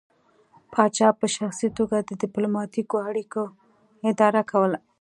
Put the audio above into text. پاچا په شخصي توګه د ډیپلوماتیکو اړیکو اداره کوله